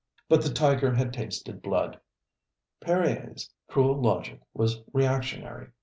" But the tiger had tasted blood. Perier's cruel logic was reactionary.